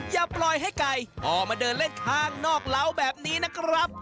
อย่าปล่อยให้ไก่ออกมาเดินเล่นข้างนอกเหล้าแบบนี้นะครับ